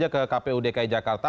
ke kpu dki jakarta